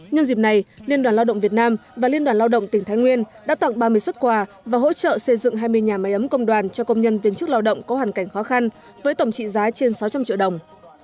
nhân dịp này liên đoàn lao động việt nam và liên đoàn lao động tỉnh thái nguyên đã tặng ba mươi xuất quà và hỗ trợ xây dựng hai mươi nhà máy ấm công đoàn cho công nhân viên chức lao động có hoàn cảnh khó khăn với tổng trị giá trên sáu trăm linh triệu đồng